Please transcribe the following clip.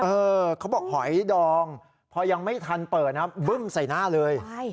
เออเขาบอกหอยดองพอยังไม่ทันเปิดนะบึ้มใส่หน้าเลย